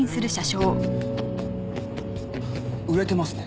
売れてますね。